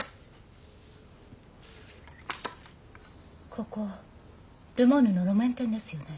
ここルモンヌの路面店ですよね。